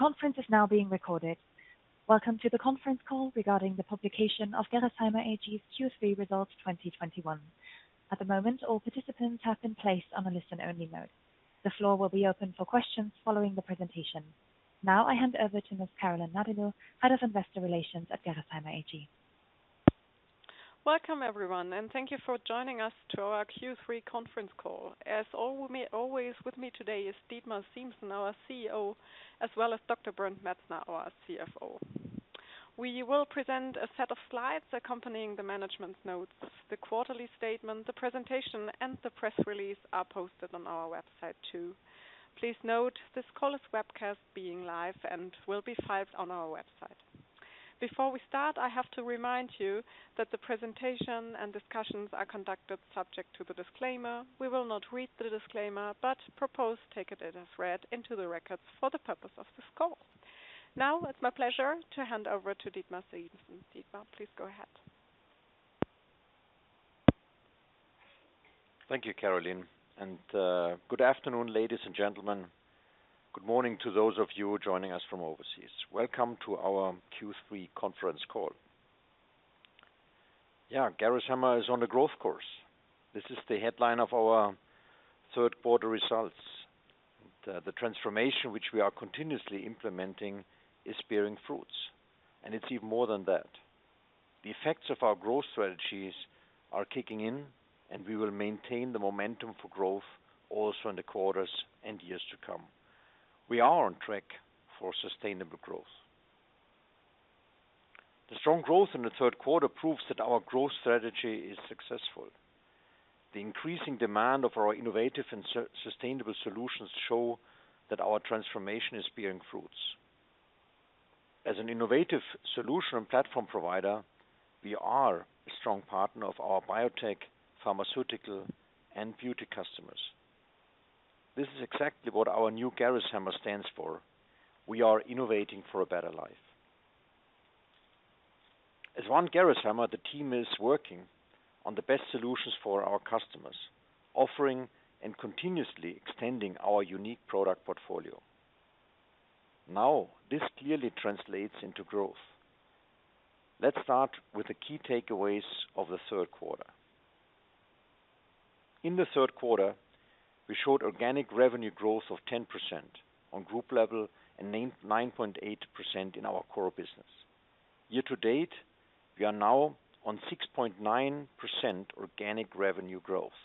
Welcome to the Conference Call regarding the Publication of Gerresheimer AG's Q3 Results 2021. At the moment, all participants have been placed on a listen-only mode. The floor will be open for questions following the presentation. Now I hand over to Ms. Carolin Nadler, Head of Investor Relations at Gerresheimer AG. Welcome, everyone, thank you for joining us to our Q3 conference call. As always, with me today is Dietmar Siemssen, our CEO, as well as Dr. Bernd Metzner, our CFO. We will present a set of slides accompanying the management notes, the quarterly statement, the presentation, and the press release are posted on our website, too. Please note this call is webcast, being live, and will be filed on our website. Before we start, I have to remind you that the presentation and discussions are conducted subject to the disclaimer. We will not read the disclaimer, but propose take it as read into the records for the purpose of this call. Now it's my pleasure to hand over to Dietmar Siemssen. Dietmar, please go ahead. Thank you, Carolin, and good afternoon, ladies and gentlemen. Good morning to those of you joining us from overseas. Welcome to our Q3 conference call. Yeah, Gerresheimer is on the growth course. This is the headline of our third quarter results. The transformation which we are continuously implementing is bearing fruits, and it's even more than that. The effects of our growth strategies are kicking in, and we will maintain the momentum for growth also in the quarters and years to come. We are on track for sustainable growth. The strong growth in the third quarter proves that our growth strategy is successful. The increasing demand of our innovative and sustainable solutions show that our transformation is bearing fruits. As an innovative solution and platform provider, we are a strong partner of our biotech, pharmaceutical, and beauty customers. This is exactly what our new Gerresheimer stands for. We are innovating for a better life. As one Gerresheimer, the team is working on the best solutions for our customers, offering and continuously extending our unique product portfolio. Now, this clearly translates into growth. Let's start with the key takeaways of the third quarter. In the third quarter, we showed organic revenue growth of 10% on group level and 9.8% in our core business. Year to date, we are now on 6.9% organic revenue growth.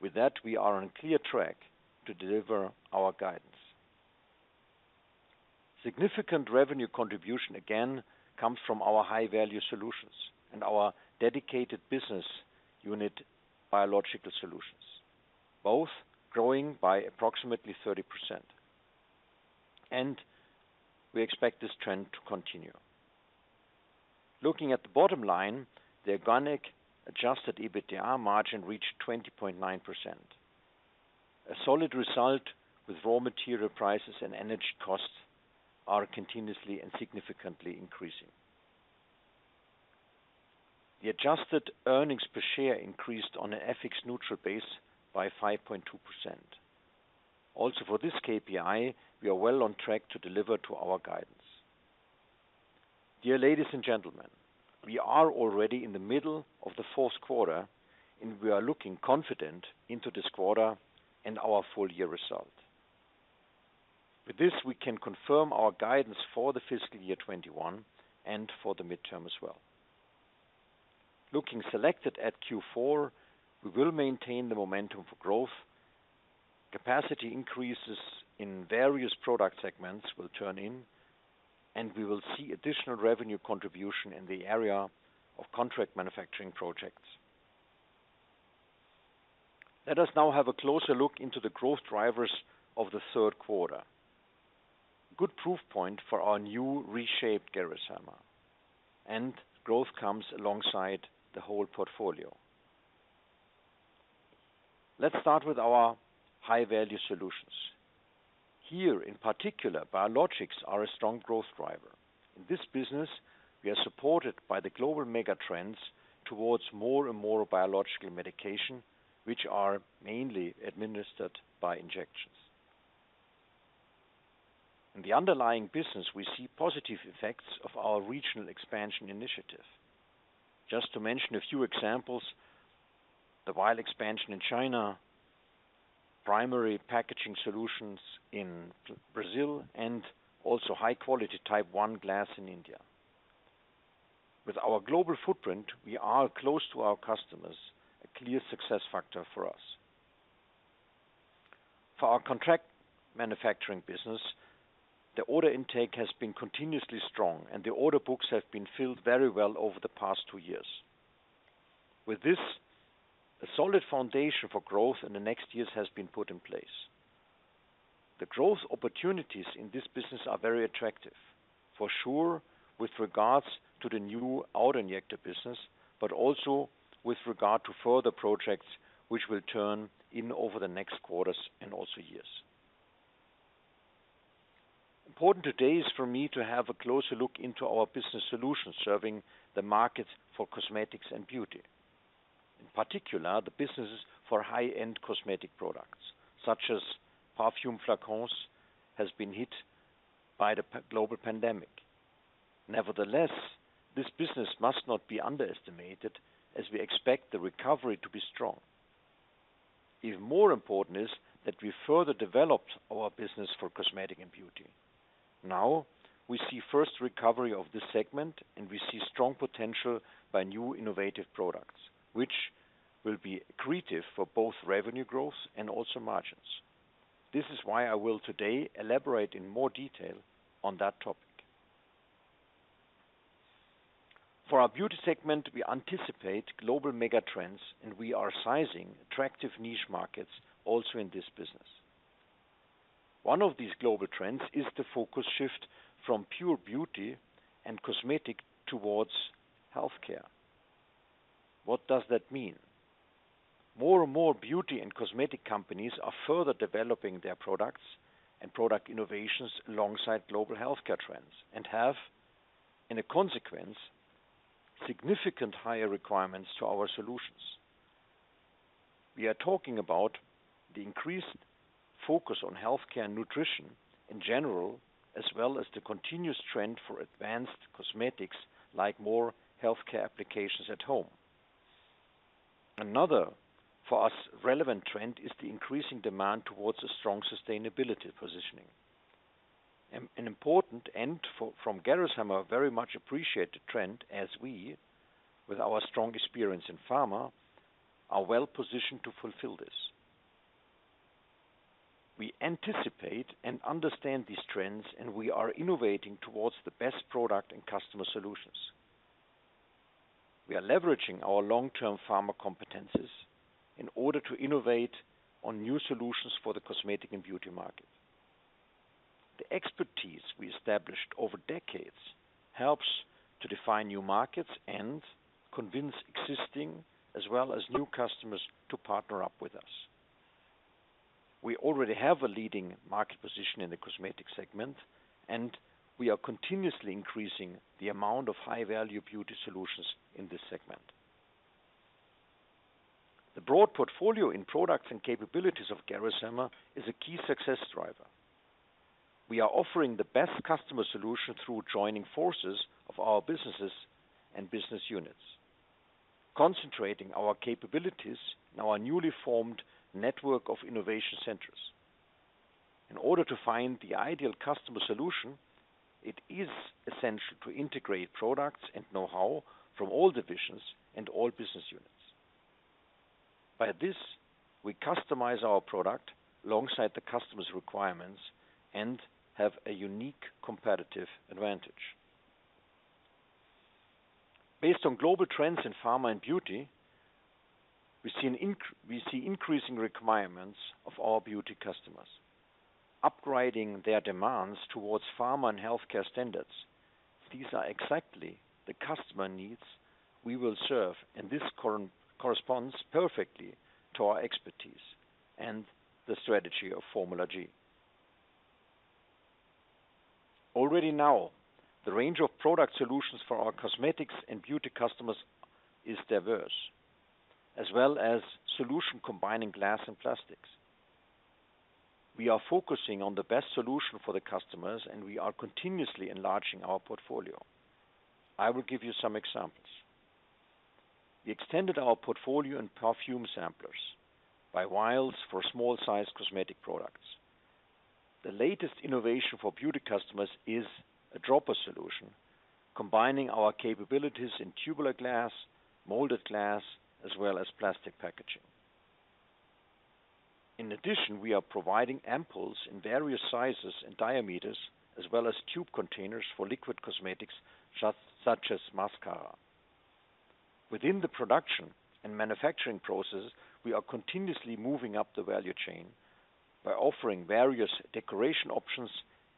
With that, we are on clear track to deliver our guidance. Significant revenue contribution, again, comes from our High Value Solutions and our dedicated business unit, Gx Biological Solutions, both growing by approximately 30%. We expect this trend to continue. Looking at the bottom line, the organic adjusted EBITDA margin reached 20.9%. A solid result with raw material prices and energy costs are continuously and significantly increasing. The adjusted earnings per share increased on an FX-neutral base by 5.2%. Also, for this KPI, we are well on track to deliver to our guidance. Dear ladies and gentlemen, we are already in the middle of the fourth quarter, and we are looking confident into this quarter and our full year result. With this, we can confirm our guidance for the fiscal year 2021 and for the midterm as well. Looking selected at Q4, we will maintain the momentum for growth. Capacity increases in various product segments will turn in, and we will see additional revenue contribution in the area of contract manufacturing projects. Let us now have a closer look into the growth drivers of the third quarter. Good proof point for our new reshaped Gerresheimer. Growth comes alongside the whole portfolio. Let's start with our High Value Solutions. Here, in particular, biologics are a strong growth driver. In this business, we are supported by the global mega trends towards more and more biological medication, which are mainly administered by injections. In the underlying business, we see positive effects of our regional expansion initiative. Just to mention a few examples, the vial expansion in China, primary packaging solutions in Brazil, and also high-quality Type I glass in India. With our global footprint, we are close to our customers, a clear success factor for us. For our contract manufacturing business, the order intake has been continuously strong, and the order books have been filled very well over the past two years. With this, a solid foundation for growth in the next years has been put in place. The growth opportunities in this business are very attractive, for sure, with regards to the new auto-injector business, but also with regard to further projects which will turn in over the next quarters and also years. Important today is for me to have a closer look into our business solutions serving the market for cosmetics and beauty. In particular, the businesses for high-end cosmetic products, such as perfume flacons, has been hit by the global pandemic. Nevertheless, this business must not be underestimated, as we expect the recovery to be strong. Even more important is that we further developed our business for cosmetic and beauty. Now we see first recovery of this segment, and we see strong potential by new innovative products, which will be accretive for both revenue growth and also margins. This is why I will today elaborate in more detail on that topic. For our beauty segment, we anticipate global mega trends, and we are sizing attractive niche markets also in this business. One of these global trends is the focus shift from pure beauty and cosmetic towards healthcare. What does that mean? More and more beauty and cosmetic companies are further developing their products and product innovations alongside global healthcare trends and have, in a consequence, significant higher requirements to our solutions. We are talking about the increased focus on healthcare and nutrition in general, as well as the continuous trend for advanced cosmetics, like more healthcare applications at home. Another, for us, relevant trend is the increasing demand towards a strong sustainability positioning. An important and, from Gerresheimer, very much appreciated trend as we, with our strong experience in pharma, are well-positioned to fulfill this. We anticipate and understand these trends, and we are innovating towards the best product and customer solutions. We are leveraging our long-term pharma competencies in order to innovate on new solutions for the cosmetic and beauty market. The expertise we established over decades helps to define new markets and convince existing as well as new customers to partner up with us. We already have a leading market position in the cosmetic segment, and we are continuously increasing the amount of high-value beauty solutions in this segment. The broad portfolio in products and capabilities of Gerresheimer is a key success driver. We are offering the best customer solution through joining forces of our businesses and business units, concentrating our capabilities in our newly formed network of innovation centers. In order to find the ideal customer solution, it is essential to integrate products and know-how from all divisions and all business units. By this, we customize our product alongside the customer's requirements and have a unique competitive advantage. Based on global trends in pharma and beauty, we see increasing requirements of our beauty customers, upgrading their demands towards pharma and healthcare standards. These are exactly the customer needs we will serve. This corresponds perfectly to our expertise and the strategy of Formula G. Already now, the range of product solutions for our cosmetics and beauty customers is diverse, as well as solution combining glass and plastics. We are focusing on the best solution for the customers, and we are continuously enlarging our portfolio. I will give you some examples. We extended our portfolio and perfume samplers by vials for small-sized cosmetic products. The latest innovation for beauty customers is a dropper solution, combining our capabilities in tubular glass, molded glass, as well as plastic packaging. In addition, we are providing ampoules in various sizes and diameters, as well as tube containers for liquid cosmetics, such as mascara. Within the production and manufacturing process, we are continuously moving up the value chain by offering various decoration options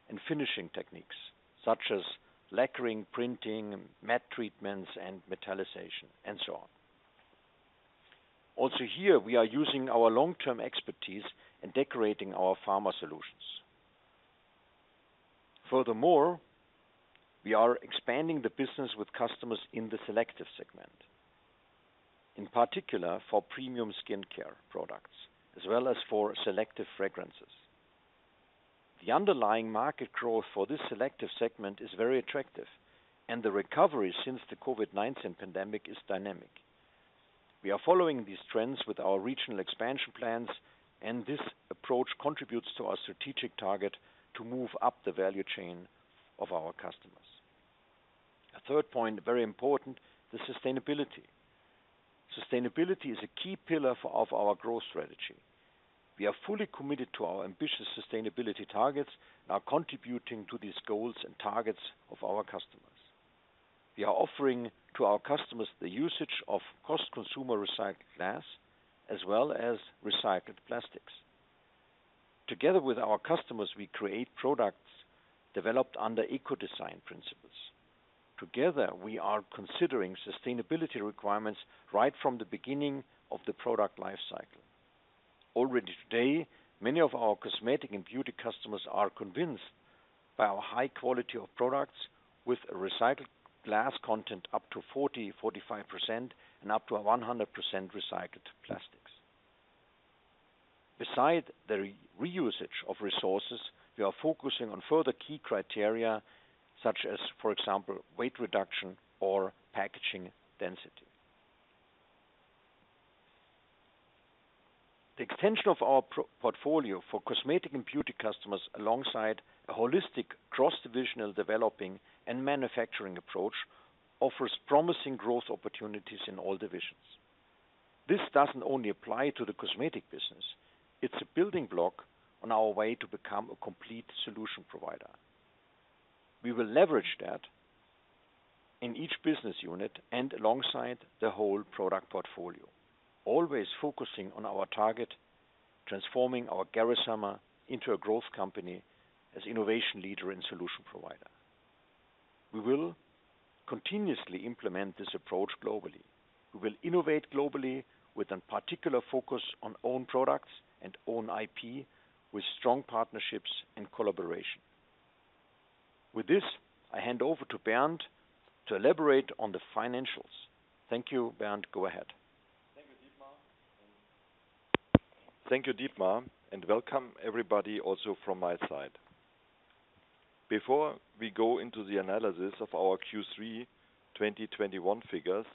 and finishing techniques, such as lacquering, printing, matte treatments, and metallization, and so on. Also here, we are using our long-term expertise in decorating our pharma solutions. Furthermore, we are expanding the business with customers in the selective segment. In particular, for premium skincare products, as well as for selective fragrances. The underlying market growth for this selective segment is very attractive, and the recovery since the COVID-19 pandemic is dynamic. We are following these trends with our regional expansion plans, and this approach contributes to our strategic target to move up the value chain of our customers. A third point, very important, the sustainability. Sustainability is a key pillar of our growth strategy. We are fully committed to our ambitious sustainability targets and are contributing to these goals and targets of our customers. We are offering to our customers the usage of post-consumer recycled glass, as well as recycled plastics. Together with our customers, we create products developed under eco-design principles. Together, we are considering sustainability requirements right from the beginning of the product life cycle. Already today, many of our cosmetic and beauty customers are convinced by our high quality of products with a recycled glass content up to 40%, 45%, and up to 100% recycled plastics. Beside the reusage of resources, we are focusing on further key criteria such as, for example, weight reduction or packaging density. The extension of our portfolio for cosmetic and beauty customers, alongside a holistic cross-divisional developing and manufacturing approach, offers promising growth opportunities in all divisions. This doesn't only apply to the cosmetic business. It's a building block on our way to become a complete solution provider. We will leverage that in each business unit and alongside the whole product portfolio, always focusing on our target, transforming our Gerresheimer into a growth company as innovation leader and solution provider. We will continuously implement this approach globally. We will innovate globally with a particular focus on own products and own IP with strong partnerships and collaboration. With this, I hand over to Bernd to elaborate on the financials. Thank you. Bernd, go ahead. Thank you, Dietmar. Welcome everybody also from my side. Before we go into the analysis of our Q3 2021 figures,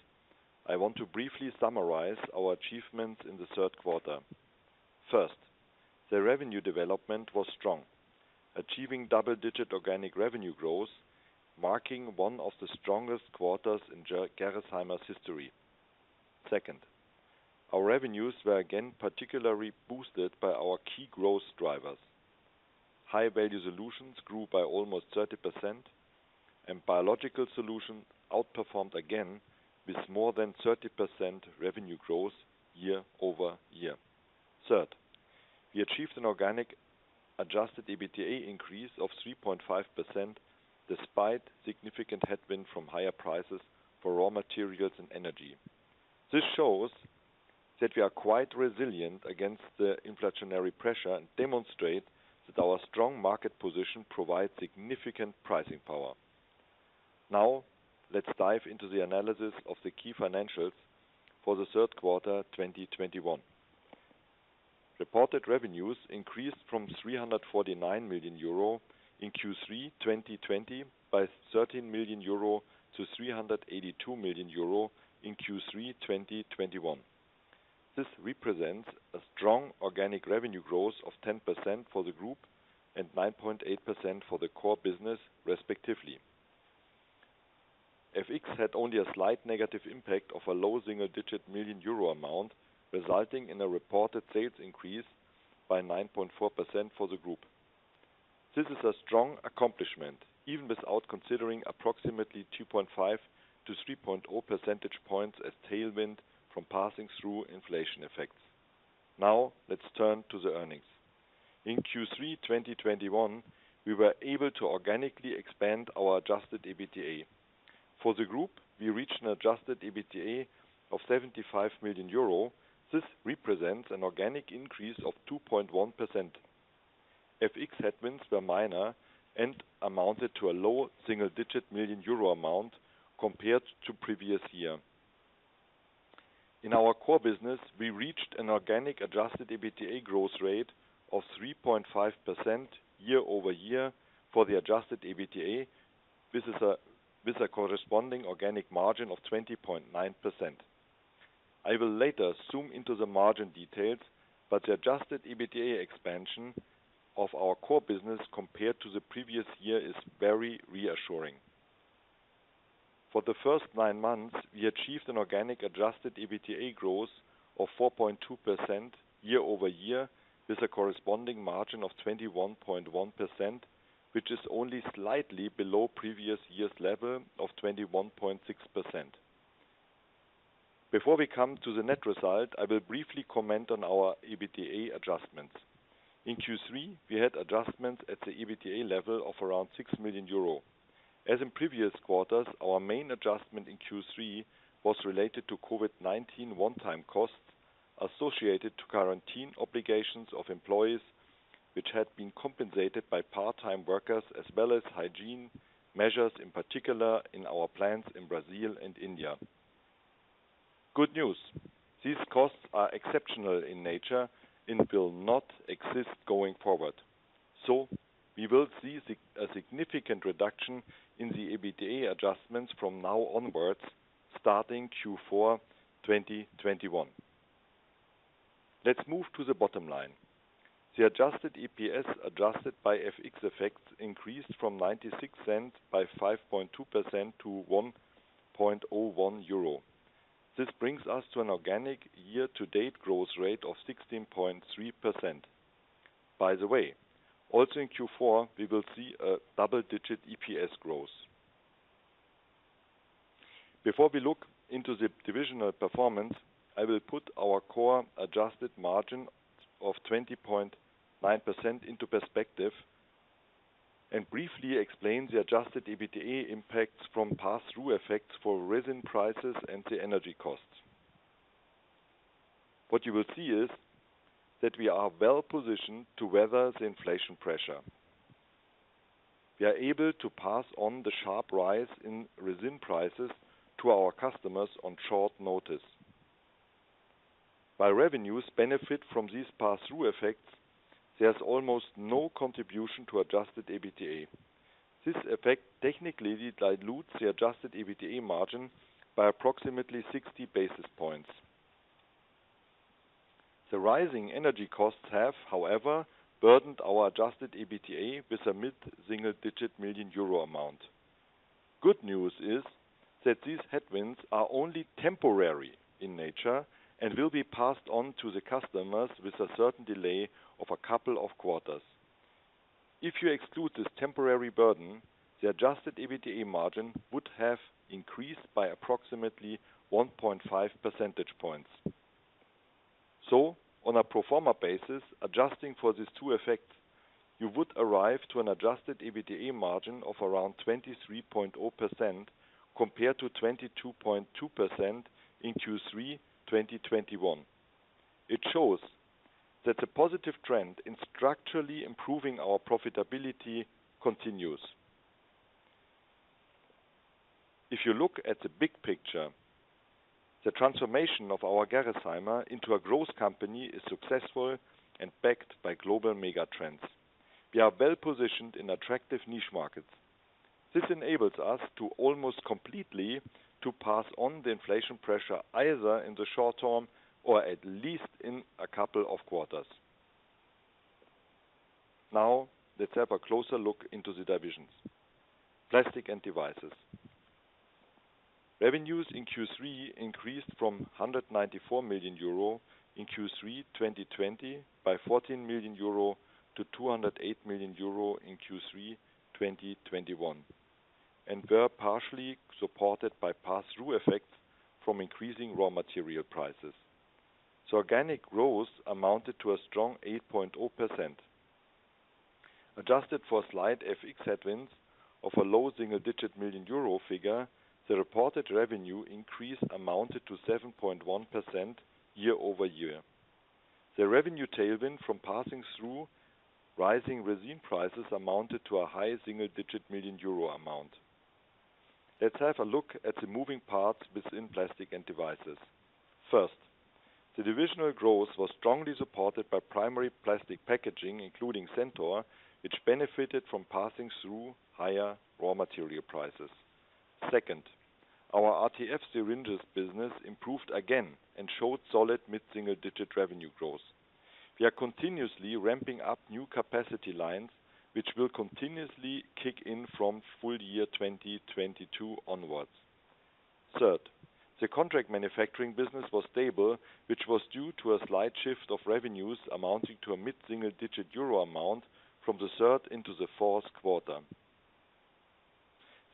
I want to briefly summarize our achievements in the third quarter. First, the revenue development was strong, achieving double-digit organic revenue growth, marking one of the strongest quarters in Gerresheimer's history. Second, our revenues were again particularly boosted by our key growth drivers. High Value Solutions grew by almost 30%, and biological solution outperformed again with more than 30% revenue growth year-over-year. Third, we achieved an organic adjusted EBITDA increase of 3.5% despite significant headwind from higher prices for raw materials and energy. This shows that we are quite resilient against the inflationary pressure and demonstrate that our strong market position provides significant pricing power. Now, let's dive into the analysis of the key financials for the third quarter 2021. Reported revenues increased from 349 million euro in Q3 2020 by 13 million-382 million euro in Q3 2021. This represents a strong organic revenue growth of 10% for the group and 9.8% for the core business, respectively. FX had only a slight negative impact of a low single-digit million EUR amount, resulting in a reported sales increase by 9.4% for the group. This is a strong accomplishment, even without considering approximately 2.5-3.0 percentage points as tailwind from passing through inflation effects. Let's turn to the earnings. In Q3 2021, we were able to organically expand our adjusted EBITDA. For the group, we reached an adjusted EBITDA of EUR 75 million. This represents an organic increase of 2.1%. FX headwinds were minor and amounted to a low single-digit million EUR amount compared to previous year. In our core business, we reached an organic adjusted EBITDA growth rate of 3.5% year-over-year for the adjusted EBITDA. This is with a corresponding organic margin of 20.9%. I will later zoom into the margin details, but the adjusted EBITDA expansion of our core business compared to the previous year is very reassuring. For the first nine months, we achieved an organic adjusted EBITDA growth of 4.2% year-over-year with a corresponding margin of 21.1%, which is only slightly below previous year's level of 21.6%. Before we come to the net result, I will briefly comment on our EBITDA adjustments. In Q3, we had adjustments at the EBITDA level of around 6 million euro. As in previous quarters, our main adjustment in Q3 was related to COVID-19 one-time costs associated to quarantine obligations of employees, which had been compensated by part-time workers as well as hygiene measures, in particular in our plants in Brazil and India. Good news, these costs are exceptional in nature and will not exist going forward. We will see a significant reduction in the EBITDA adjustments from now onwards, starting Q4 2021. Let's move to the bottom line. The adjusted EPS adjusted by FX effects increased from 0.96 by 5.2% to 1.01 euro. This brings us to an organic year-to-date growth rate of 16.3%. By the way, also in Q4, we will see a double-digit EPS growth. Before we look into the divisional performance, I will put our core adjusted margin of 20.9% into perspective. Briefly explain the adjusted EBITDA impacts from pass-through effects for resin prices and the energy costs. What you will see is that we are well-positioned to weather the inflation pressure. We are able to pass on the sharp rise in resin prices to our customers on short notice. While revenues benefit from these pass-through effects, there's almost no contribution to adjusted EBITDA. This effect technically dilutes the adjusted EBITDA margin by approximately 60 basis points. The rising energy costs have, however, burdened our adjusted EBITDA with a mid-single digit million EUR amount. Good news is that these headwinds are only temporary in nature and will be passed on to the customers with a certain delay of a couple of quarters. If you exclude this temporary burden, the adjusted EBITDA margin would have increased by approximately 1.5 percentage points. On a pro forma basis, adjusting for these two effects, you would arrive to an adjusted EBITDA margin of around 23.0% compared to 22.2% in Q3 2021. It shows that the positive trend in structurally improving our profitability continues. If you look at the big picture, the transformation of our Gerresheimer into a growth company is successful and backed by global mega trends. We are well-positioned in attractive niche markets. This enables us to almost completely to pass on the inflation pressure, either in the short term or at least in a couple of quarters. Let's have a closer look into the divisions. Plastics & Devices. Revenues in Q3 increased from 194 million euro in Q3 2020 by 14 million-208 million euro in Q3 2021, and were partially supported by pass-through effects from increasing raw material prices. Organic growth amounted to a strong 8.0%. Adjusted for a slight FX headwinds of a low single-digit million euro figure, the reported revenue increase amounted to 7.1% year-over-year. The revenue tailwind from passing through rising resin prices amounted to a high single-digit million euro amount. Let's have a look at the moving parts within Plastics & Devices. First, the divisional growth was strongly supported by primary plastic packaging, including Centor, which benefited from passing through higher raw material prices. Second, our RTF syringes business improved again and showed solid mid-single digit revenue growth. We are continuously ramping up new capacity lines, which will continuously kick in from full year 2022 onwards. Third, the contract manufacturing business was stable, which was due to a slight shift of revenues amounting to a mid-single digit EUR amount from the third into the fourth quarter.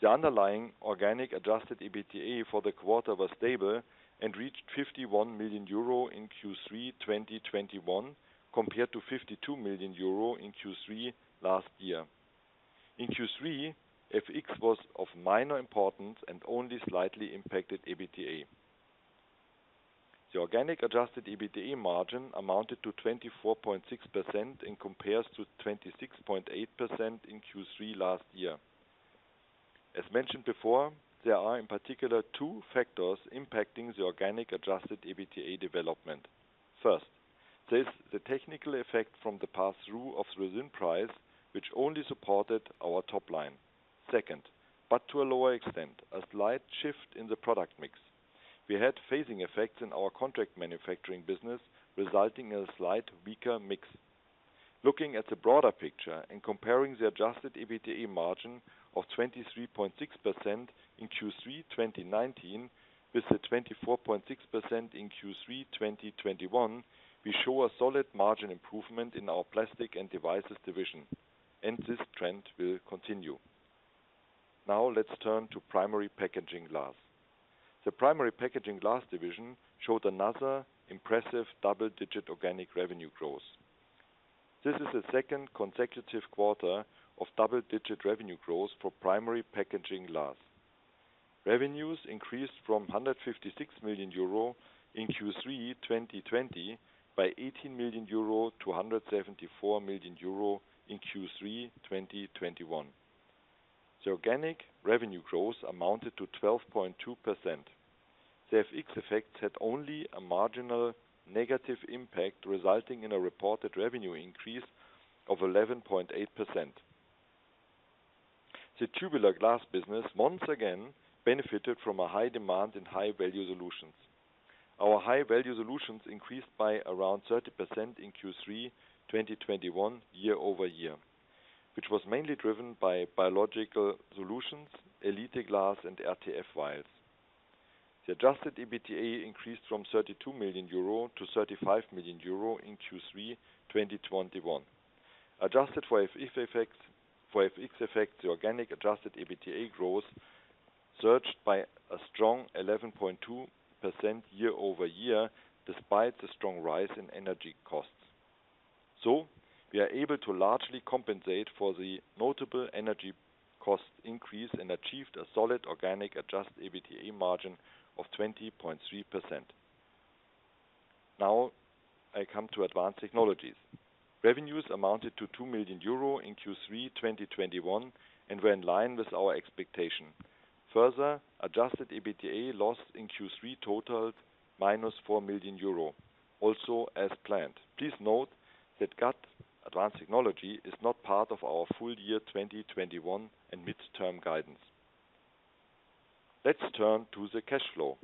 The underlying organic adjusted EBITDA for the quarter was stable and reached 51 million euro in Q3 2021 compared to 52 million euro in Q3 last year. In Q3, FX was of minor importance and only slightly impacted EBITDA. The organic adjusted EBITDA margin amounted to 24.6% and compares to 26.8% in Q3 last year. As mentioned before, there are in particular two factors impacting the organic adjusted EBITDA development. First, there is the technical effect from the pass-through of resin price, which only supported our top line. Second, to a lower extent, a slight shift in the product mix. We had phasing effects in our contract manufacturing business, resulting in a slight weaker mix. Looking at the broader picture and comparing the adjusted EBITDA margin of 23.6% in Q3 2019 with the 24.6% in Q3 2021, we show a solid margin improvement in our Plastics & Devices division, and this trend will continue. Now let's turn to Primary Packaging Glass. The Primary Packaging Glass division showed another impressive double-digit organic revenue growth. This is the second consecutive quarter of double-digit revenue growth for Primary Packaging Glass. Revenues increased from 156 million euro in Q3 2020 by 18 million-174 million euro in Q3 2021. The organic revenue growth amounted to 12.2%. The FX effects had only a marginal negative impact, resulting in a reported revenue increase of 11.8%. The tubular glass business once again benefited from a high demand in High Value Solutions. Our High Value Solutions increased by around 30% in Q3 2021 year-over-year, which was mainly driven by Gx Biological Solutions, Gx Elite Glass, and RTF vials. The adjusted EBITDA increased from 32 million-35 million euro in Q3 2021. Adjusted for FX effects, the organic adjusted EBITDA growth surged by a strong 11.2% year-over-year, despite the strong rise in energy costs. We are able to largely compensate for the notable energy cost increase and achieved a solid organic adjusted EBITDA margin of 20.3%. I come to Advanced Technologies. Revenues amounted to 2 million euro in Q3 2021 and were in line with our expectation. Further adjusted EBITDA loss in Q3 totaled minus 4 million euro, also as planned. Please note that GAT Advanced Technologies is not part of our full year 2021 and midterm guidance. Let's turn to the cash flow.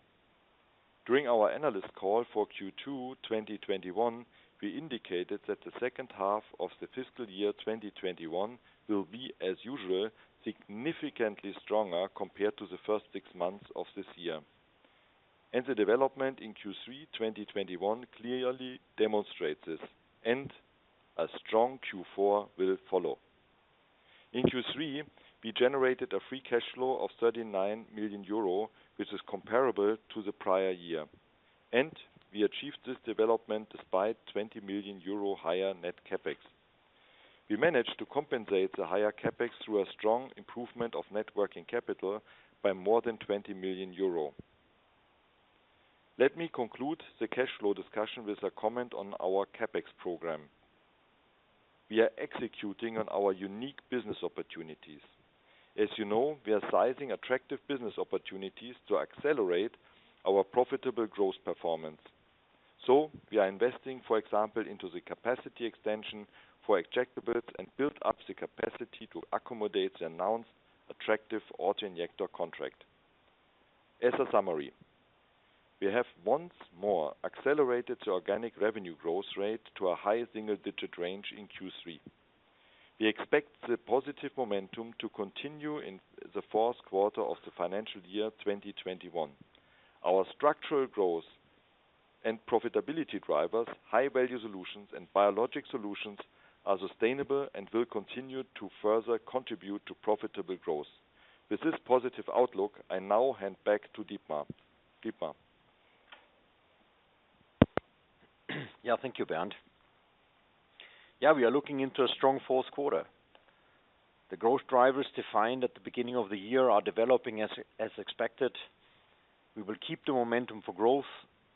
During our analyst call for Q2 2021, we indicated that the second half of the fiscal year 2021 will be, as usual, significantly stronger compared to the first six months of this year. The development in Q3 2021 clearly demonstrates this, and a strong Q4 will follow. In Q3, we generated a free cash flow of 39 million euro, which is comparable to the prior year, and we achieved this development despite 20 million euro higher net CapEx. We managed to compensate the higher CapEx through a strong improvement of net working capital by more than 20 million euro. Let me conclude the cash flow discussion with a comment on our CapEx program. We are executing on our unique business opportunities. As you know, we are sizing attractive business opportunities to accelerate our profitable growth performance. We are investing, for example, into the capacity extension for injectables and build up the capacity to accommodate the announced attractive auto-injector contract. As a summary, we have once more accelerated the organic revenue growth rate to a high single-digit range in Q3. We expect the positive momentum to continue in the fourth quarter of the financial year 2021. Our structural growth and profitability drivers, High Value Solutions and Gx Biological Solutions, are sustainable and will continue to further contribute to profitable growth. With this positive outlook, I now hand back to Dietmar. Dietmar. Thank you, Bernd. We are looking into a strong fourth quarter. The growth drivers defined at the beginning of the year are developing as expected. We will keep the momentum for growth,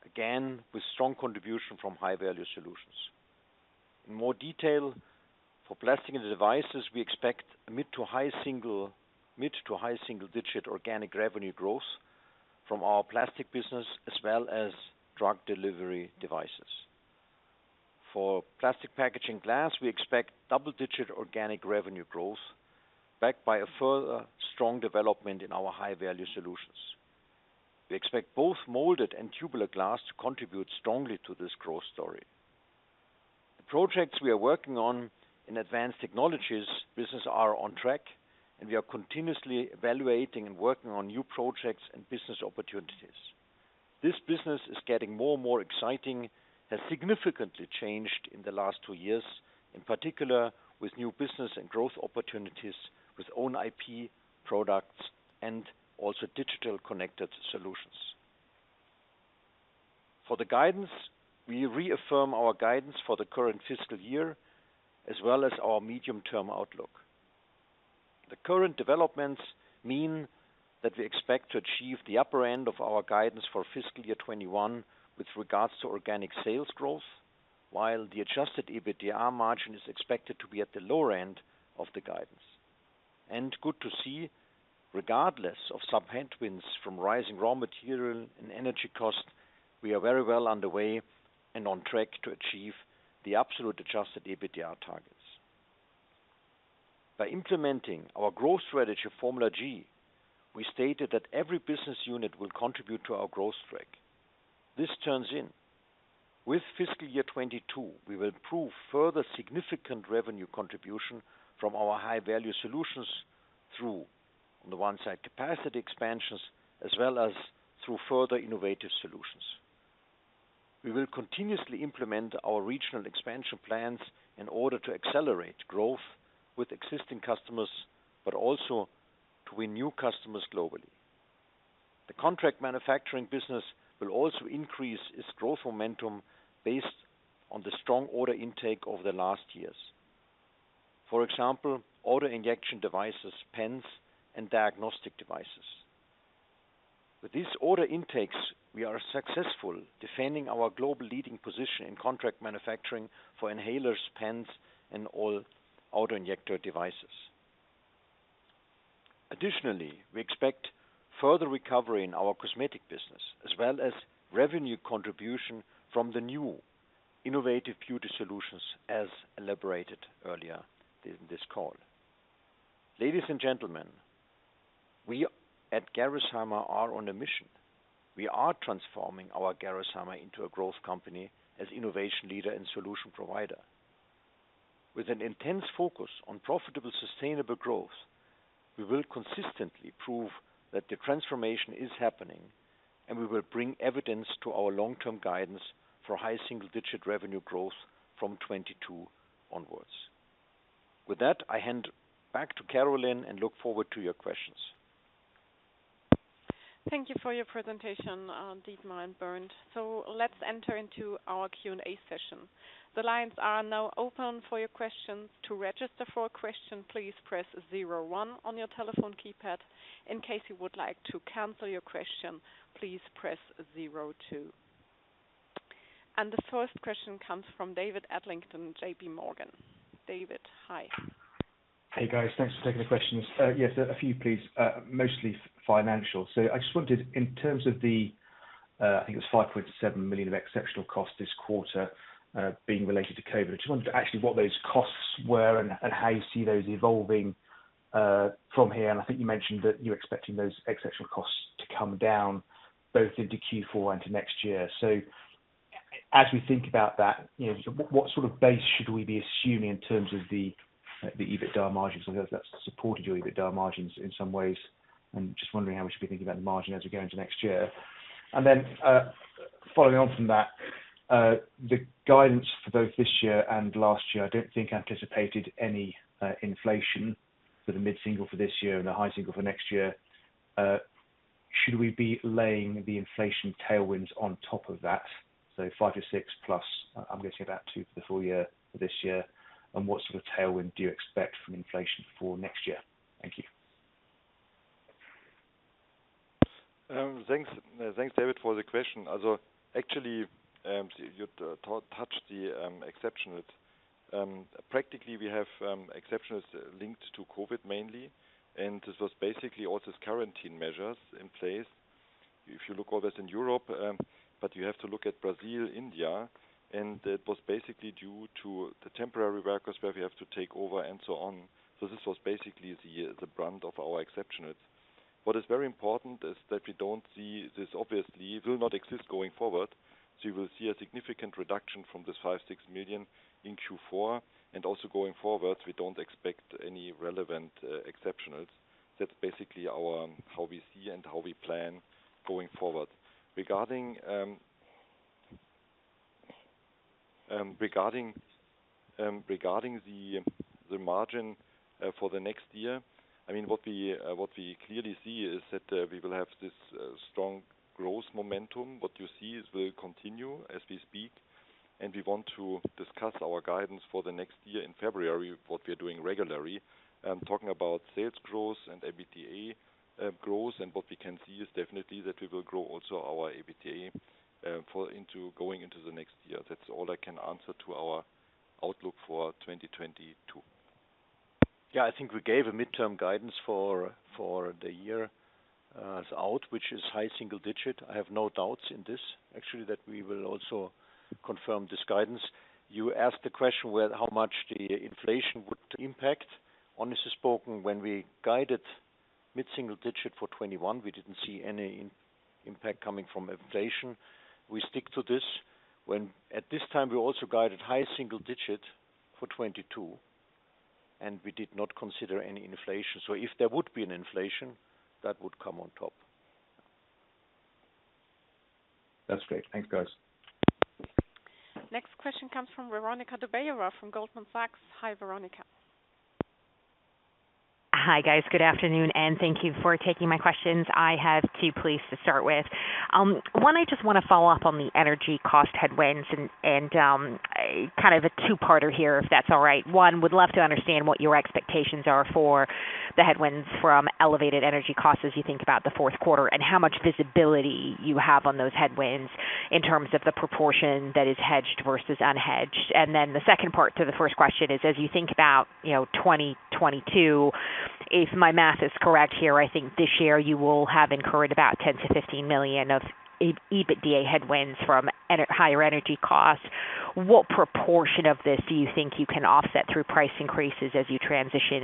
again, with strong contribution from High Value Solutions. In more detail, for Plastics & Devices, we expect a mid to high single-digit organic revenue growth from our plastic business as well as drug delivery devices. For Primary Packaging Glass, we expect double-digit organic revenue growth, backed by a further strong development in our High Value Solutions. We expect both molded and tubular glass to contribute strongly to this growth story. The projects we are working on in Advanced Technologies business are on track, and we are continuously evaluating and working on new projects and business opportunities. This business is getting more and more exciting, has significantly changed in the last two years, in particular with new business and growth opportunities with own IP products and also digital connected solutions. We reaffirm our guidance for the current fiscal year as well as our medium-term outlook. The current developments mean that we expect to achieve the upper end of our guidance for fiscal year 2021 with regards to organic sales growth, while the adjusted EBITDA margin is expected to be at the lower end of the guidance. Good to see, regardless of some headwinds from rising raw material and energy cost, we are very well underway and on track to achieve the absolute adjusted EBITDA targets. By implementing our growth strategy, Formula G, we stated that every business unit will contribute to our growth track. With fiscal year 2022, we will prove further significant revenue contribution from our High Value Solutions through, on the one side, capacity expansions, as well as through further innovative solutions. We will continuously implement our regional expansion plans in order to accelerate growth with existing customers, but also to win new customers globally. The contract manufacturing business will also increase its growth momentum based on the strong order intake over the last years. For example, auto-injector devices, pens, and diagnostic devices. With these order intakes, we are successfully defending our global leading position in contract manufacturing for inhalers, pens, and all auto-injector devices. Additionally, we expect further recovery in our cosmetic business as well as revenue contribution from the new innovative beauty solutions, as elaborated earlier in this call. Ladies and gentlemen, we at Gerresheimer are on a mission. We are transforming our Gerresheimer into a growth company as innovation leader and solution provider. With an intense focus on profitable, sustainable growth, we will consistently prove that the transformation is happening, and we will bring evidence to our long-term guidance for high single-digit revenue growth from 2022 onwards. With that, I hand back to Carolin and look forward to your questions. Thank you for your presentation, Dietmar and Bernd. Let's enter into our Q&A session. The lines are now open for your questions. To register for a question, please press zero one on your telephone keypad. In case you would like to cancel your question, please press zero two. The first question comes from David Adlington, JPMorgan. David, hi. Hey, guys. Thanks for taking the questions. A few please, mostly financial. I just wondered in terms of the, I think it was 5.7 million of exceptional costs this quarter, being related to COVID-19. I just wondered actually what those costs were and how you see those evolving from here. I think you mentioned that you're expecting those exceptional costs to come down both into Q4 and to next year. As we think about that, what sort of base should we be assuming in terms of the EBITDA margins? I guess that's supported your EBITDA margins in some ways, and just wondering how we should be thinking about the margin as we go into next year. Following on from that, the guidance for both this year and last year, I don't think anticipated any inflation for the mid-single for this year and the high single for next year. Should we be laying the inflation tailwinds on top of that? 5%-6%+, I'm guessing about 2% for the full year for this year, and what sort of tailwind do you expect from inflation for next year? Thank you. Thanks, David, for the question. You touched the exceptionals. We have exceptionals linked to COVID-19 mainly, this was basically all these quarantine measures in place. If you look all this in Europe, you have to look at Brazil, India, it was basically due to the temporary workers where we have to take over and so on. This was basically the brunt of our exceptionals. What is very important is that we don't see this obviously will not exist going forward. You will see a significant reduction from this 5 million-6 million in Q4, also going forward, we don't expect any relevant exceptionals. That's basically how we see and how we plan going forward. Regarding the margin for the next year, what we clearly see is that we will have this strong growth momentum. What you see will continue as we speak. We want to discuss our guidance for the next year in February, what we are doing regularly, talking about sales growth and EBITDA growth. What we can see is definitely that we will grow also our EBITDA going into the next year. That's all I can answer to our outlook for 2022. Yeah. I think we gave a midterm guidance for the year out, which is high single digit. I have no doubts in this, actually, that we will also confirm this guidance. You asked the question, how much the inflation would impact. Honestly spoken, when we guided mid-single digit for 2021, we didn't see any impact coming from inflation. We stick to this. When at this time we also guided high single digit for 2022, and we did not consider any inflation. If there would be an inflation, that would come on top. That's great. Thanks, guys. Next question comes from Veronika Dubajova from Goldman Sachs. Hi, Veronika. Hi, guys. Good afternoon, and thank you for taking my questions. I have two please to start with. One, I just want to follow up on the energy cost headwinds and kind of a two-parter here, if that's all right. One, would love to understand what your expectations are for the headwinds from elevated energy costs as you think about the fourth quarter, and how much visibility you have on those headwinds in terms of the proportion that is hedged versus unhedged. The second part to the first question is, as you think about 2022. If my math is correct here, I think this year you will have incurred about 10 million-15 million of EBITDA headwinds from higher energy costs. What proportion of this do you think you can offset through price increases as you transition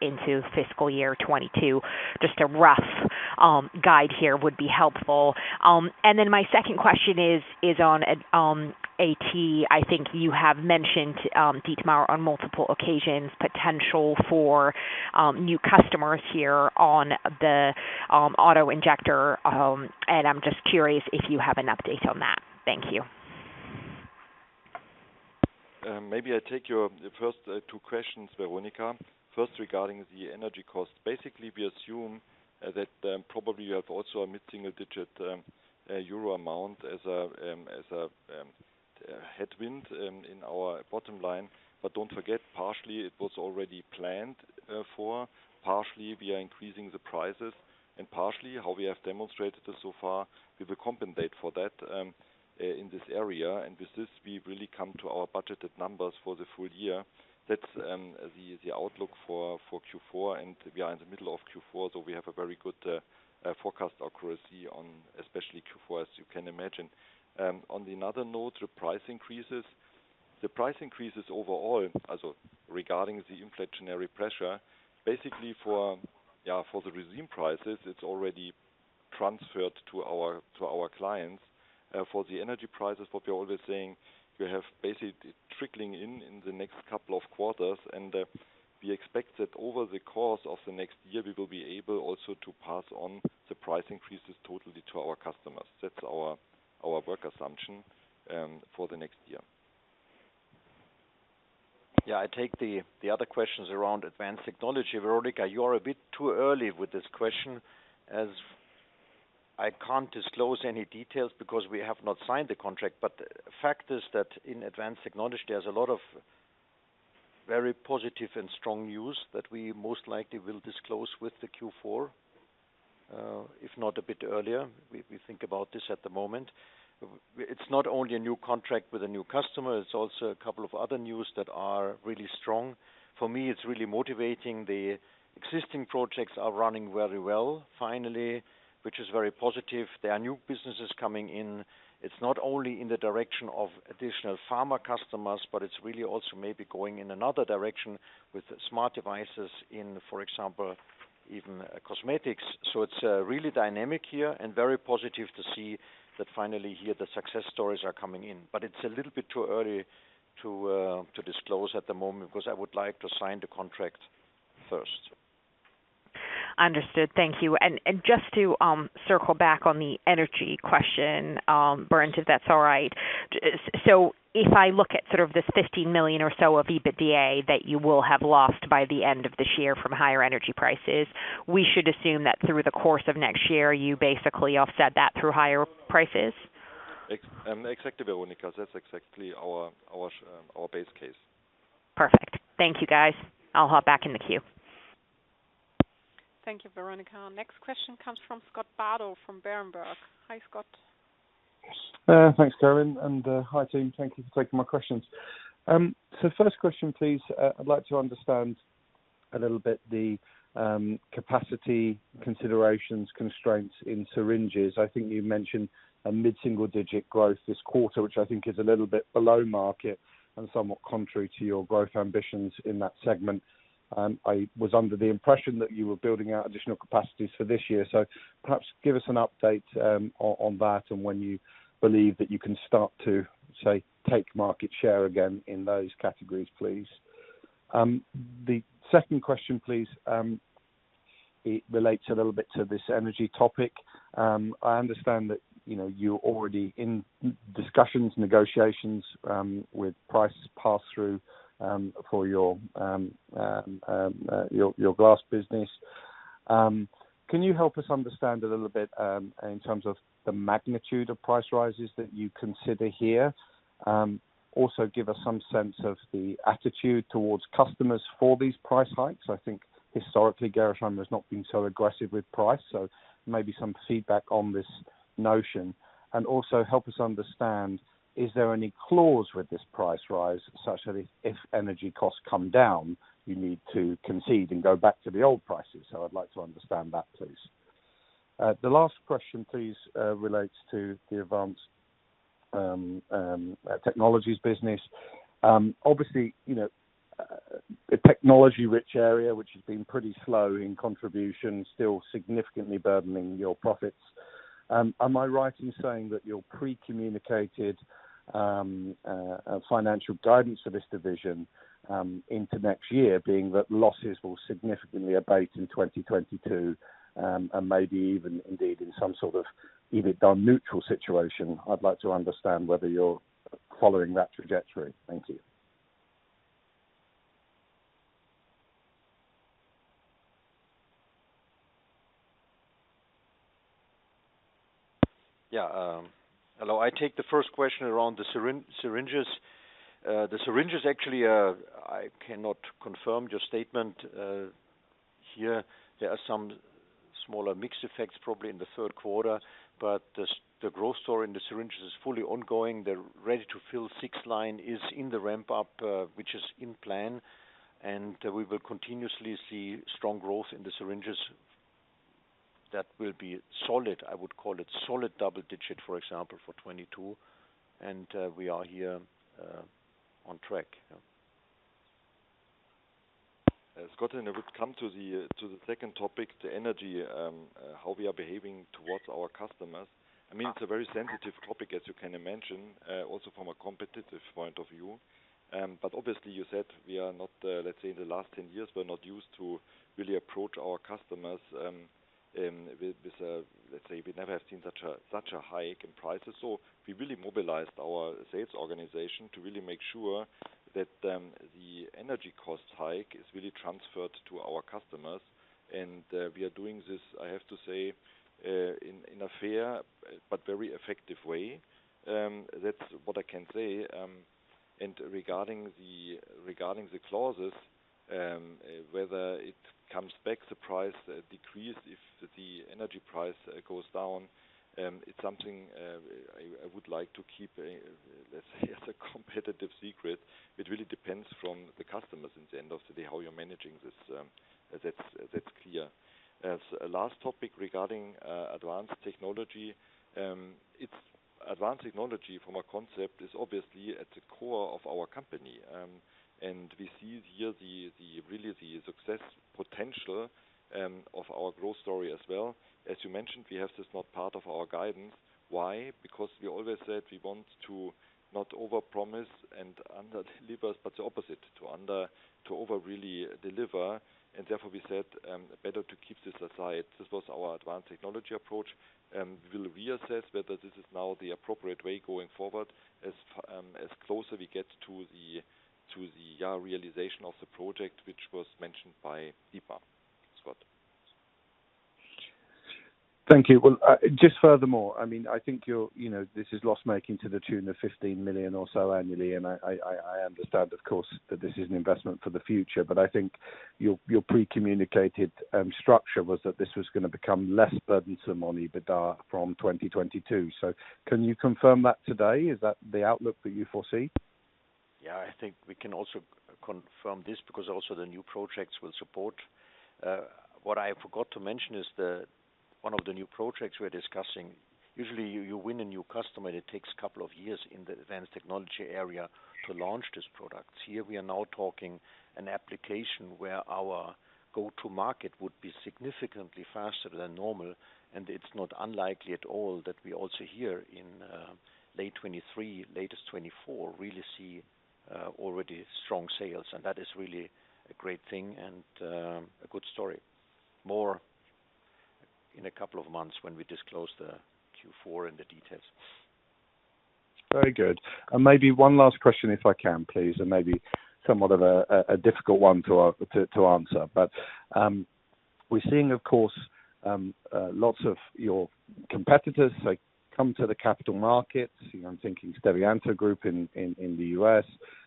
into fiscal year 2022? Just a rough guide here would be helpful. Then my second question is on AT. I think you have mentioned, Dietmar, on multiple occasions, potential for new customers here on the auto-injector, and I'm just curious if you have an update on that. Thank you. Maybe I take your first two questions, Veronika. First, regarding the energy cost. Basically, we assume that probably you have also a mid-single digit EUR amount as a headwind in our bottom line. Don't forget, partially it was already planned for. Partially, we are increasing the prices, partially, how we have demonstrated this so far, we will compensate for that in this area. With this, we really come to our budgeted numbers for the full year. That's the outlook for Q4, we are in the middle of Q4, we have a very good forecast accuracy on especially Q4, as you can imagine. On another note, the price increases. The price increases overall, regarding the inflationary pressure, basically for the resin prices, it's already transferred to our clients. For the energy prices, what we are always saying, we have basically trickling in the next couple of quarters. We expect that over the course of the next year, we will be able also to pass on the price increases totally to our customers. That's our work assumption for the next year. Yeah, I take the other questions around Advanced Technologies. Veronika, you are a bit too early with this question as I can't disclose any details because we have not signed the contract. The fact is that in Advanced Technologies, there's a lot of very positive and strong news that we most likely will disclose with the Q4, if not a bit earlier. We think about this at the moment. It's not only a new contract with a new customer, it's also a couple of other news that are really strong. For me, it's really motivating. The existing projects are running very well finally, which is very positive. There are new businesses coming in. It's not only in the direction of additional pharma customers, but it's really also maybe going in another direction with smart devices in, for example, even cosmetics. It's really dynamic here and very positive to see that finally here the success stories are coming in. It's a little bit too early to disclose at the moment because I would like to sign the contract first. Understood. Thank you. Just to circle back on the energy question, Bernd, if that's all right. If I look at sort of this 15 million or so of EBITDA that you will have lost by the end of this year from higher energy prices, we should assume that through the course of next year, you basically offset that through higher prices? Exactly, Veronika. That's exactly our base case. Perfect. Thank you guys. I'll hop back in the queue. Thank you, Veronika. Next question comes from Scott Bardo from Berenberg. Hi, Scott. Thanks, Carolin Nadler, and hi, team. Thank you for taking my questions. First question, please. I'd like to understand a little bit the capacity considerations, constraints in syringes. I think you mentioned a mid-single-digit growth this quarter, which I think is a little bit below market and somewhat contrary to your growth ambitions in that segment. I was under the impression that you were building out additional capacities for this year. Perhaps give us an update on that and when you believe that you can start to, say, take market share again in those categories, please. The second question, please. It relates a little bit to this energy topic. I understand that you're already in discussions, negotiations with prices pass through for your glass business. Can you help us understand a little bit in terms of the magnitude of price rises that you consider here? [Also] give us some sense of the attitude towards customers for these price hikes. I think historically, Gerresheimer has not been so aggressive with price, maybe some feedback on this notion. Also help us understand, is there any clause with this price rise such that if energy costs come down, you need to concede and go back to the old prices? I'd like to understand that, please. The last question, please, relates to the Advanced Technologies business. Obviously, a technology-rich area, which has been pretty slow in contribution, still significantly burdening your profits. Am I right in saying that your pre-communicated financial guidance for this division into next year being that losses will significantly abate in 2022 and maybe even indeed in some sort of EBITDA neutral situation? I'd like to understand whether you're following that trajectory. Thank you. Yeah. Hello. I take the first question around the syringes. The syringes, actually, I cannot confirm your statement here. There are some smaller mix effects probably in the third quarter, but the growth story in the syringes is fully ongoing. The ready-to-fill 6 line is in the ramp up, which is in plan, we will continuously see strong growth in the syringes. That will be solid. I would call it solid double-digit, for example, for 2022. We are here on track. Scott, I would come to the second topic, the energy, how we are behaving towards our customers. It's a very sensitive topic, as you can imagine, also from a competitive point of view. Obviously you said we are not, let's say, in the last 10 years, we're not used to really approach our customers with, let's say, we never have seen such a hike in prices. We really mobilized our sales organization to really make sure that the energy cost hike is really transferred to our customers. We are doing this, I have to say, in a fair but very effective way. That's what I can say. Regarding the clauses, whether it comes back, the price decrease if the energy price goes down, it's something I would like to keep as a competitive secret. It really depends from the customers at the end of the day, how you're managing this. That's clear. As a last topic regarding Advanced Technologies. Advanced Technologies from a concept is obviously at the core of our company. We see here really the success potential of our growth story as well. As you mentioned, we have this not part of our guidance. Why? We always said we want to not overpromise and underdeliver, but the opposite, to overreally deliver. Therefore we said, better to keep this aside. This was our Advanced Technologies approach. We will reassess whether this is now the appropriate way going forward as closer we get to the year realization of the project, which was mentioned by Dietmar Siemssen. Scott Bardo. Thank you. Well, just furthermore, I think this is loss-making to the tune of 15 million or so annually. I understand, of course, that this is an investment for the future. I think your pre-communicated structure was that this was going to become less burdensome on EBITDA from 2022. Can you confirm that today? Is that the outlook that you foresee? Yeah, I think we can also confirm this because also the new projects will support. What I forgot to mention is that one of the new projects we're discussing, usually you win a new customer, and it takes a couple of years in the advanced technology area to launch these products. Here we are now talking an application where our go-to market would be significantly faster than normal. It's not unlikely at all that we also here in late 2023, latest 2024, really see already strong sales. That is really a great thing and a good story. More in a couple of months when we disclose the Q4 and the details. Very good. Maybe one last question, if I can, please, and maybe somewhat of a difficult one to answer. We're seeing, of course, lots of your competitors, like, come to the capital markets. I'm thinking Sterilante Group in the U.S.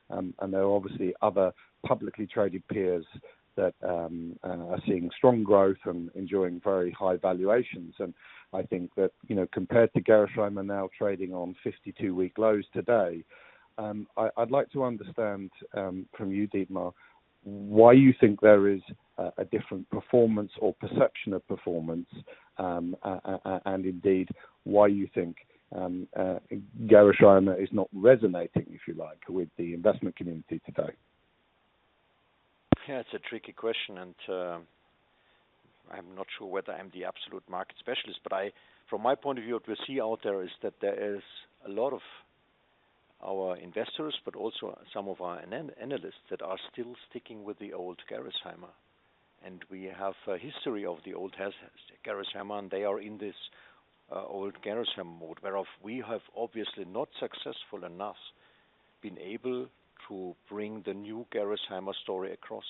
There are obviously other publicly traded peers that are seeing strong growth and enjoying very high valuations. I think that, compared to Gerresheimer now trading on 52-week lows today, I'd like to understand from you, Dietmar, why you think there is a different performance or perception of performance, and indeed, why you think Gerresheimer is not resonating, if you like, with the investment community today. Yeah, it's a tricky question, and I'm not sure whether I'm the absolute market specialist. From my point of view, what we see out there is that there is a lot of our investors, but also some of our analysts that are still sticking with the old Gerresheimer. We have a history of the old Gerresheimer, and they are in this old Gerresheimer mode. Whereof we have obviously not successful enough been able to bring the new Gerresheimer story across.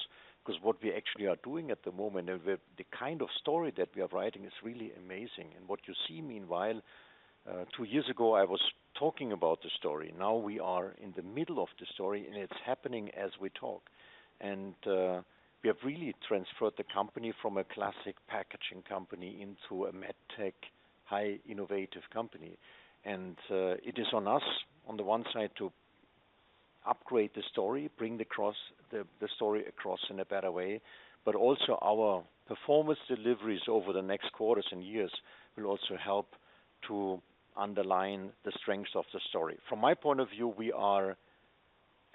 What we actually are doing at the moment and the kind of story that we are writing is really amazing. What you see, meanwhile, two years ago, I was talking about the story. Now we are in the middle of the story, and it's happening as we talk. We have really transferred the company from a classic packaging company into a med tech, high innovative company. It is on us, on the 1 side to upgrade the story, bring the story across in a better way. Also our performance deliveries over the next quarters and years will also help to underline the strengths of the story. From my point of view, we are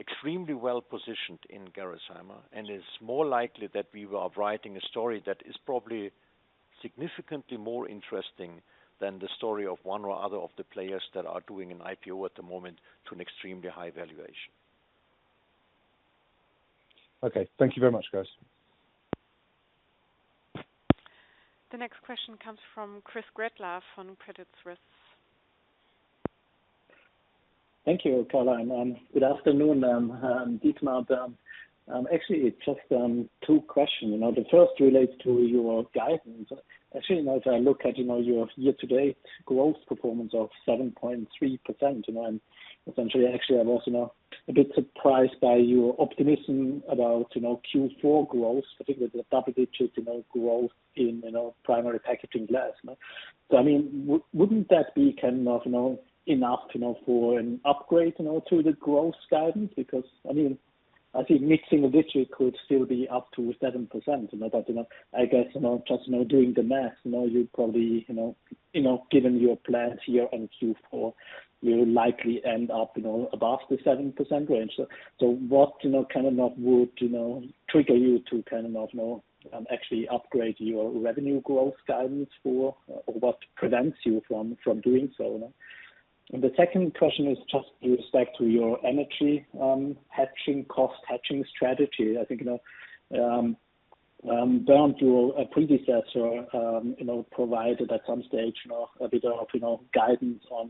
extremely well-positioned in Gerresheimer, and it's more likely that we are writing a story that is probably significantly more interesting than the story of one or other of the players that are doing an IPO at the moment to an extremely high valuation. Okay. Thank you very much, guys. The next question comes from Christoph Gretler on Credit Suisse. Thank you, Carolin Nadler, and good afternoon, Dietmar Siemssen. It's just two questions. The first relates to your guidance. As I look at your year-to-date growth performance of 7.3%, and essentially, actually, I'm also now a bit surprised by your optimism about Q4 growth, particularly the double-digit growth in Primary Packaging Glass. Wouldn't that be enough for an upgrade to the growth guidance? Because I think mixing a digit could still be up to 7%. I guess, just doing the math, you'd probably, given your plans here in Q4, will likely end up above the 7% range. What would trigger you to actually upgrade your revenue growth guidance for, or what prevents you from doing so? The second question is just with respect to your energy hedging, cost hedging strategy. I think Bernd, your predecessor, provided at some stage a bit of guidance on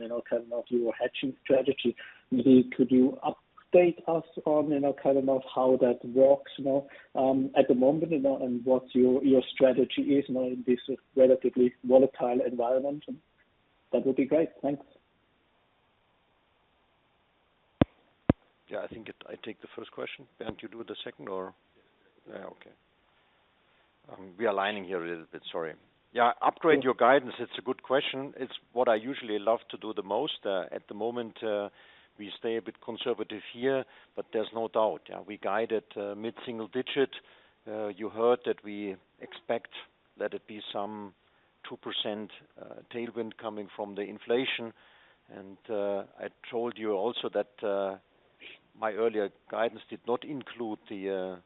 your hedging strategy. Could you update us on how that works at the moment and what your strategy is in this relatively volatile environment? That would be great. Thanks. Yeah, I think I take the first question. Bernd, you do the second or? Yes. Okay. We are aligning here a little bit. Sorry. Yeah. Upgrade your guidance. It's a good question. It's what I usually love to do the most. At the moment, we stay a bit conservative here, but there's no doubt. We guided mid-single digit. You heard that we expect that it be some 2% tailwind coming from the inflation. I told you also that my earlier guidance did not include the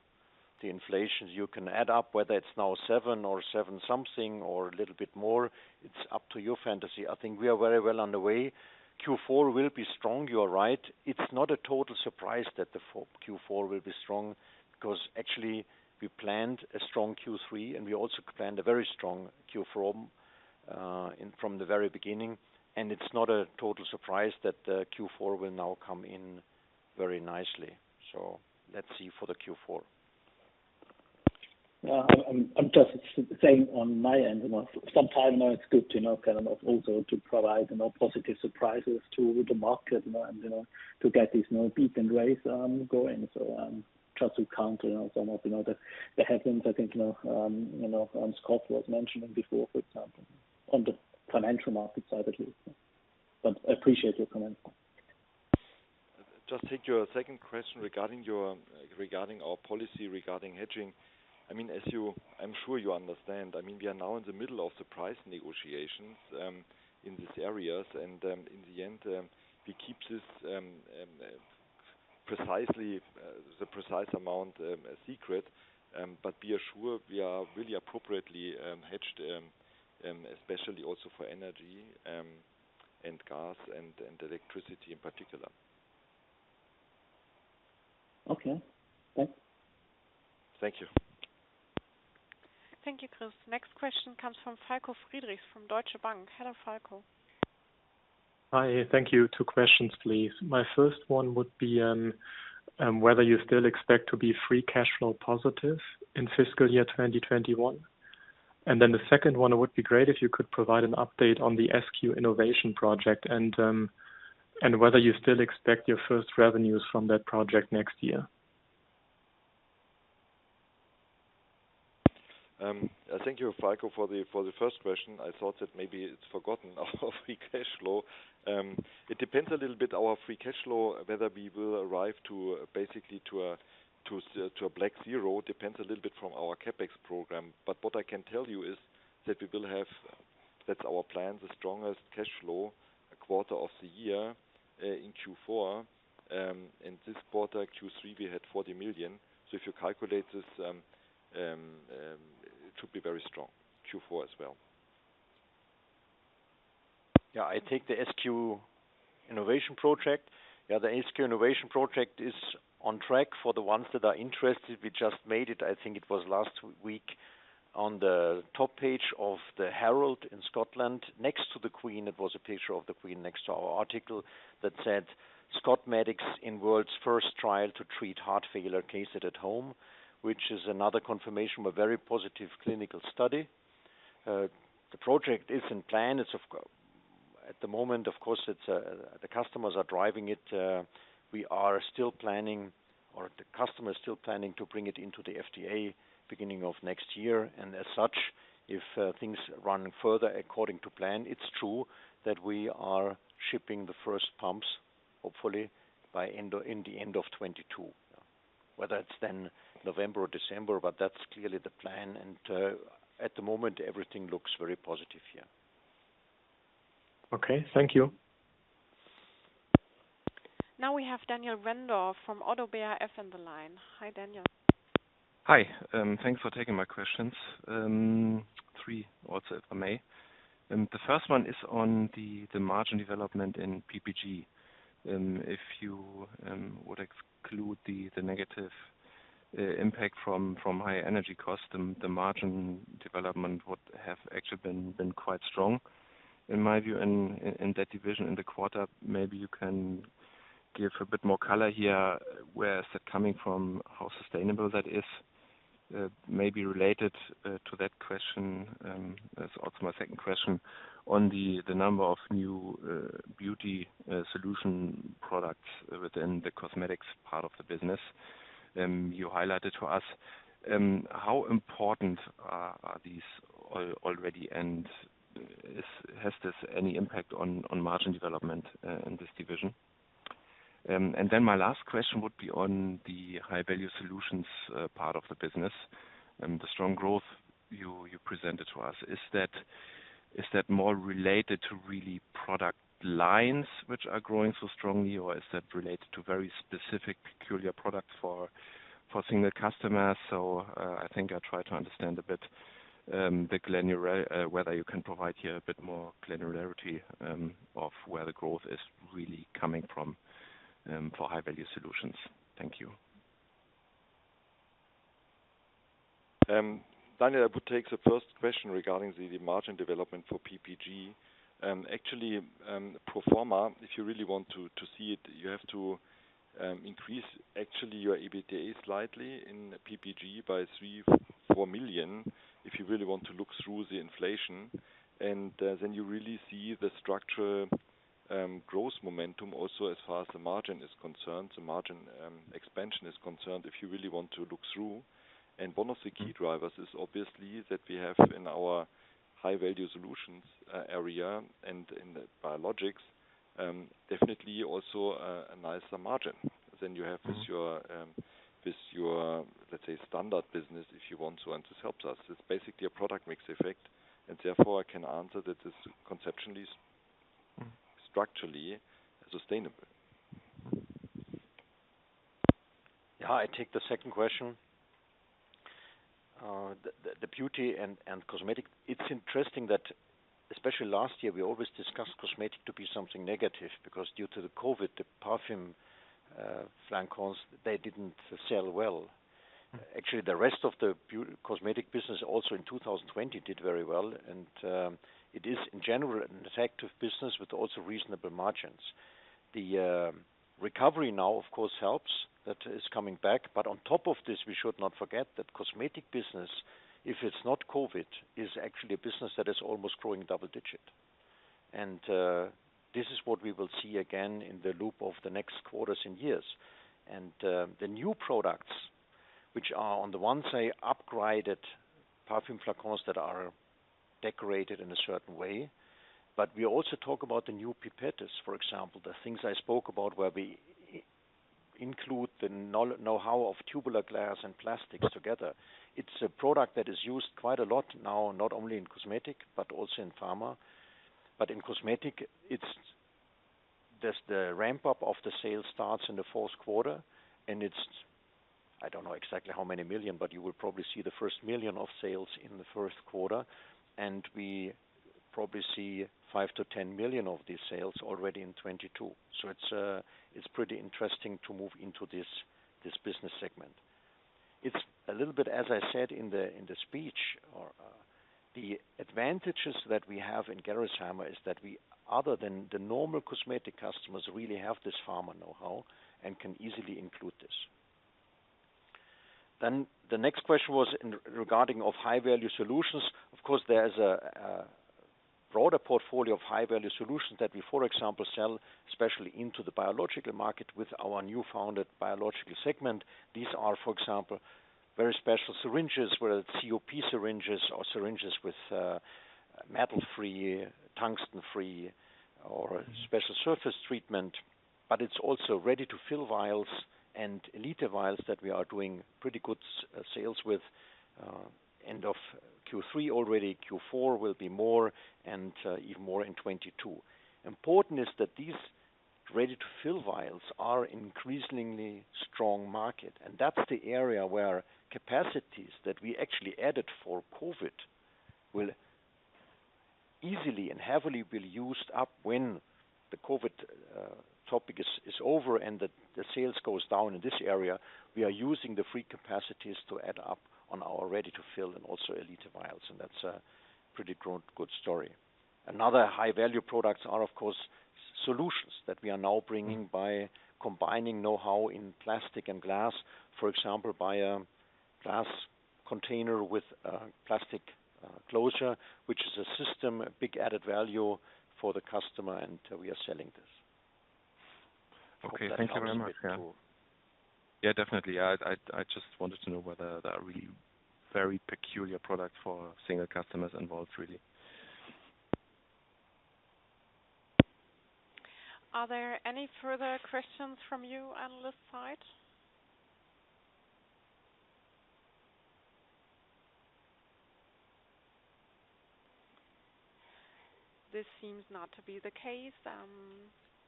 inflation. You can add up whether it's now 7 or 7 something or a little bit more. It's up to your fantasy. I think we are very well on the way. Q4 will be strong, you are right. It's not a total surprise that the Q4 will be strong because actually we planned a strong Q3, and we also planned a very strong Q4. From the very beginning, it's not a total surprise that Q4 will now come in very nicely. Let's see for the Q4. I'm just saying on my end, sometimes it's good to also provide positive surprises to the market and to get these beat and raise going. Just to counter on some of the headlines, I think Scott was mentioning before, for example, on the financial market side, at least. I appreciate your comment. Just to take your second question regarding our policy regarding hedging. As I'm sure you understand, we are now in the middle of the price negotiations in these areas. In the end, we keep the precise amount a secret. Be assured, we are really appropriately hedged, especially also for energy and gas and electricity in particular. Okay. Thanks. Thank you. Thank you, Chris. Next question comes from Falko Friedrichs from Deutsche Bank. Hello, Falko. Hi. Thank you. Two questions, please. My first one would be whether you still expect to be free cash flow positive in fiscal year 2021. Then the second one, it would be great if you could provide an update on the SQ Innovation project and whether you still expect your first revenues from that project next year. Thank you, Falko, for the first question. I thought that maybe it's forgotten our free cash flow. It depends a little bit our free cash flow, whether we will arrive basically to a black zero depends a little bit from our CapEx program. What I can tell you is that that's our plan, the strongest cash flow quarter of the year in Q4. In this quarter, Q3, we had 40 million. If you calculate this, it should be very strong, Q4 as well. Yeah, I take the SQ Innovation project. Yeah, the SQ Innovation project is on track. For the ones that are interested, we just made it, I think it was last week, on the top page of The Herald in Scotland next to the Queen. It was a picture of the Queen next to our article that said, "Scots medics in world's first trial to treat heart failure cases at home," which is another confirmation of a very positive clinical study. The project is in plan. At the moment, of course, the customers are driving it. We are still planning, or the customer is still planning to bring it into the FDA beginning of next year. As such, if things run further according to plan, it's true that we are shipping the first pumps, hopefully by the end of 2022. Whether it's then November or December, that's clearly the plan. At the moment, everything looks very positive here. Okay. Thank you. Now we have Daniel Wendorff from Oddo BHF on the line. Hi, Daniel. Hi. Thanks for taking my questions. Three also, if I may. The first one is on the margin development in PPG. If you would exclude the negative impact from high energy cost, the margin development would have actually been quite strong, in my view, in that division in the quarter. Maybe you can give a bit more color here. Where is that coming from? How sustainable that is? Maybe related to that question, that's also my second question on the number of new beauty solution products within the cosmetics part of the business you highlighted to us. How important are these already, and has this any impact on margin development in this division? My last question would be on the High Value Solutions part of the business and the strong growth you presented to us. Is that more related to really product lines which are growing so strongly, or is that related to very specific peculiar products for single customers? I think I try to understand a bit whether you can provide here a bit more clarity of where the growth is really coming from for High Value Solutions. Thank you. Daniel, I would take the first question regarding the margin development for PPG. Actually, pro forma, if you really want to see it, you have to increase actually your EBITDA slightly in PPG by 3, 4 million if you really want to look through the inflation. Then you really see the structure growth momentum also as far as the margin is concerned, the margin expansion is concerned, if you really want to look through. One of the key drivers is obviously that we have in our High Value Solutions area and in the biologics, definitely also a nicer margin than you have with your, let's say, standard business, if you want to, and this helps us. It's basically a product mix effect, and therefore I can answer that this is conceptually, structurally sustainable. I take the second question. The beauty and cosmetic. It's interesting that especially last year, we always discussed cosmetic to be something negative, because due to the COVID-19, the perfume flancons, they didn't sell well. Actually, the rest of the cosmetic business also in 2020 did very well, and it is in general an effective business with also reasonable margins. The recovery now, of course, helps. That is coming back. On top of this, we should not forget that cosmetic business, if it's not COVID-19, is actually a business that is almost growing double-digit. This is what we will see again in the loop of the next quarters and years. The new products, which are on the one side upgraded perfume flacons that are decorated in a certain way, but we also talk about the new pipettes, for example, the things I spoke about where we include the knowhow of tubular glass and plastics together. It's a product that is used quite a lot now, not only in cosmetic but also in pharma. In cosmetic, the ramp-up of the sales starts in the fourth quarter, and it's, I don't know exactly how many million, but you will probably see the first 1 million of sales in the first quarter, and we probably see 5 million-10 million of these sales already in 2022. It's pretty interesting to move into this business segment. It's a little bit, as I said in the speech, the advantages that we have in Gerresheimer is that we, other than the normal cosmetic customers, really have this pharma knowhow and can easily include this. The next question was regarding of High Value Solutions. Of course, there's a broader portfolio of High Value Solutions that we, for example, sell, especially into the biological market with our new founded Biological segment. These are, for example, very special syringes, whether it's COP syringes or syringes with metal-free, tungsten-free, or special surface treatment. It's also Ready-to-fill vials and Elite vials that we are doing pretty good sales with end of Q3 already. Q4 will be more and even more in 2022. Important is that these Ready-to-fill vials are increasingly strong market, and that's the area where capacities that we actually added for COVID-19 will easily and heavily be used up when the COVID-19 topic is over and the sales goes down in this area. We are using the free capacities to add up on our ready-to-fill and also Elite vials, and that's a pretty good story. Another high-value products are, of course, solutions that we are now bringing by combining know-how in plastic and glass. For example, by a glass container with a plastic closure, which is a system, a big added value for the customer, and we are selling this. Okay. Thank you very much. Hope that answers a bit your call. Yeah, definitely. I just wanted to know whether there are really very peculiar product for single customers involved, really. Are there any further questions from you analyst side? This seems not to be the case.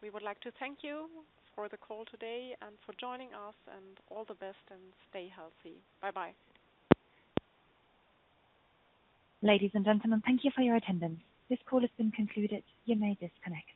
We would like to thank you for the call today and for joining us, and all the best, and stay healthy. Bye-bye. Ladies and gentlemen, thank you for your attendance. This call has been concluded. You may disconnect